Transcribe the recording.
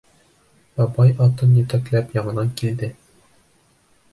Бабай атын етәкләп яңынан килде.